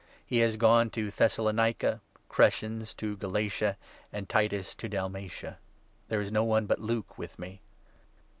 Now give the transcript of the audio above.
He has gone to Thessalonica, Crescens to Galatia, and Titus to Dalmatia. There is no one but Luke with me.